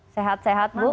sehat sehat bu pak